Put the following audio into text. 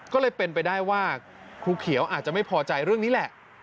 ก็เลยเป็นไปได้ว่าครูเขียวอาจจะไม่พอใจเรื่องนี้แหละ